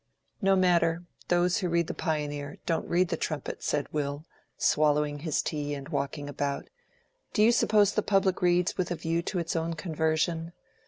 '" "No matter; those who read the 'Pioneer' don't read the 'Trumpet,'" said Will, swallowing his tea and walking about. "Do you suppose the public reads with a view to its own conversion?